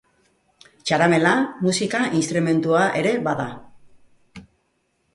Txaramela, musika instrumentua ere bada.